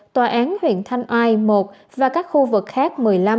tòa án huyện thanh oai một và các khu vực khác một mươi năm